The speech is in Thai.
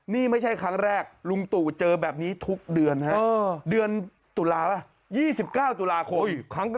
นี่ไม่ใช่ครั้งแรกลุงตุเจอแบบนี้ทุกเดือนนะฮะเดือนตุลาหรือยี่สิบเก้าตุลาคม